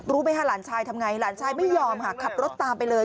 รู้ไหมฮะหลานชายทำอย่างไรหลานชายไม่ยอมคับรถตามไปเลย